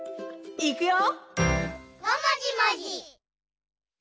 いくよ！